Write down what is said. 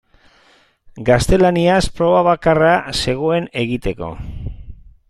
Gaztelaniaz proba bakarra zegoen egiteko.